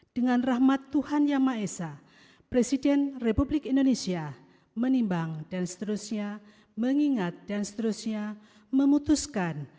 dengan rahmat tuhan yang maha esa presiden republik indonesia menimbang dan seterusnya mengingat dan seterusnya memutuskan